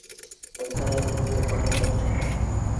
উদয়াদিত্য কহিলেন, কেন?